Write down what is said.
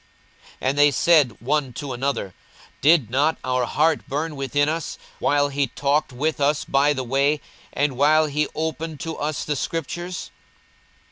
42:024:032 And they said one to another, Did not our heart burn within us, while he talked with us by the way, and while he opened to us the scriptures?